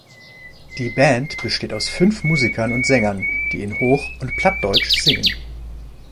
Die Band besteht aus fünf Musikern und Sängern, die in Hoch- und Plattdeutsch singen.